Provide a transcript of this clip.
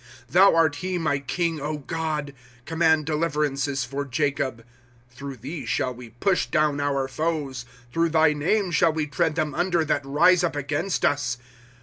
* Thou art he, my king, God ; Command deUverances for Jacob. ^ Through thee shall we push down our foes ; Through thy name shall we tread them under that rise up against us.